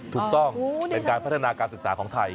ถูกต้องเป็นการพัฒนาการศึกษาของไทย